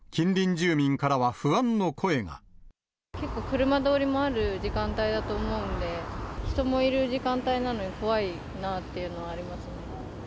結構、車通りもある時間帯だと思うんで、人もいる時間帯なのに怖いなっていうのはありますね。